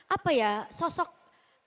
apa ya sosok kebapa